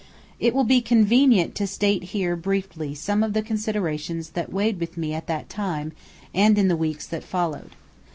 It will be convenient to state here briefly some of the considerations that weighed with me at that time and in the weeks that followed.